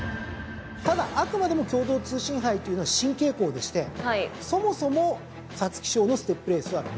ただあくまでも共同通信杯というのは新傾向でしてそもそも皐月賞のステップレースは３つです。